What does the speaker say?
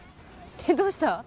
どうした？